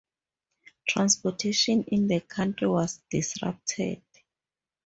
Transportation in the country was disrupted.